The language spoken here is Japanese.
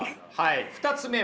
２つ目は？